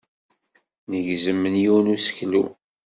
Negzem yiwen n useklu.